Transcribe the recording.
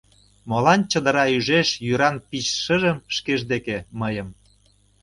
Молан чодыра ӱжеш йӱран пич шыжым Шкеж деке мыйым?